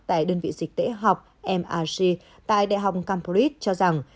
tại đơn vị dịch tễ học mrc tại đại học cambridge cho rằng